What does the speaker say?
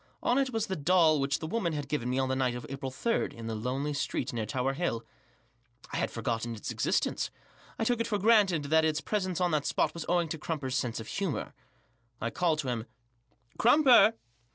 On it was the doll which the woman had given me on the night of April 3» in the lonely street near Tower Hill I had forgotten its existence, I took it for granted that its presence on that spot was owing to Crumper's sense of humour. I called to him. "Crumper!"